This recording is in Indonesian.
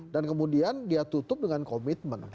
dan kemudian dia tutup dengan komitmen